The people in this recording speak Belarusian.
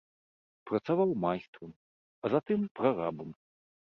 Працаваў майстрам, а затым прарабам.